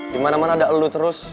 dimana mana ada elu terus